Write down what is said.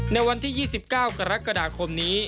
ในวันที่๒๙กรกฎาคมนี้